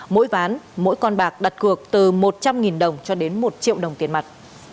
mỗi ván mỗi con bạc đặt cược từ một trăm linh đồng cho đến một triệu đồng tiền mặt